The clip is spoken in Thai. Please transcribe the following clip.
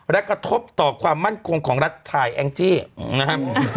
และกระทบต่อความมั่นคงของรัฐถ่ายแองจี้นะครับ